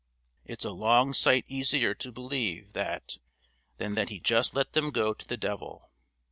"It's a long sight easier to believe that than that He just let them go to the devil!